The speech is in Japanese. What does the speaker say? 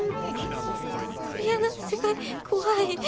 ククリアな視界怖い。